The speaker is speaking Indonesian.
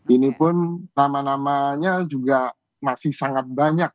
ini pun nama namanya juga masih sangat banyak